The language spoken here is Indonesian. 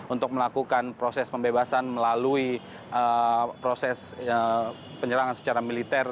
untuk melakukan proses pembebasan melalui proses penyerangan secara militer